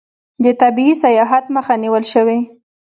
د طبي سیاحت مخه نیول شوې؟